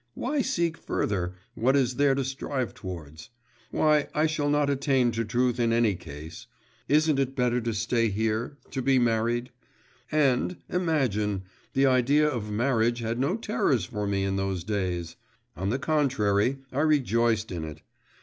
'Why seek further, what is there to strive towards? Why, I shall not attain to truth in any case. Isn't it better to stay here, to be married?' And, imagine, the idea of marriage had no terrors for me in those days. On the contrary, I rejoiced in it.